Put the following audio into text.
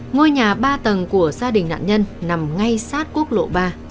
ngôi nhà ba tầng của gia đình nạn nhân nằm ngay sát quốc lộ ba